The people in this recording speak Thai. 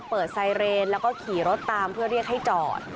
เปิดไซเรนแล้วก็ขี่รถตามเพื่อเรียกให้จอด